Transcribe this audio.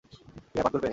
বিয়ার পান করবে?